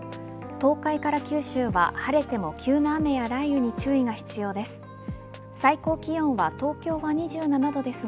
東海から九州は、晴れても急な雨や雷雨に注意が必要です。